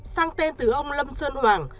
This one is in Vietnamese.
sang tên từ ông lâm sơn hoàng